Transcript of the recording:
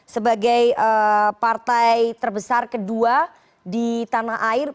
sebagai partai terbesar kedua di tanah air